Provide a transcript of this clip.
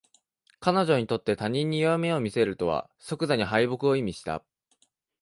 彼女にとって他人に弱みを見せるとは即座に敗北を意味した